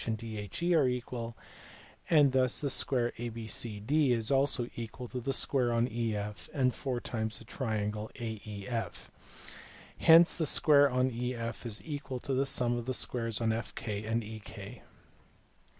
and DUE are equal : thus the square A BCD is also equal to the square on EF and four times the triangle AEF. Hence the square on EF is equal to the sum of the squares on FK and EK.